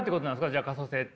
じゃあ可塑性って。